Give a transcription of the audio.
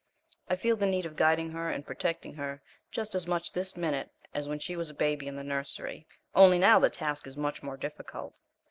I feel the need of guiding her and protecting her just as much this minute as when she was a baby in the nursery; only now the task is much more difficult.